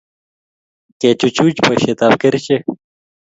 Kechuchuch boishet ab kerichek